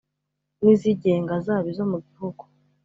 n izigenga zaba izo mu gihugu